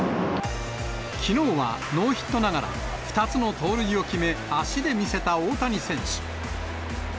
きのうはノーヒットながら、２つの盗塁を決め、足で見せた大谷選手。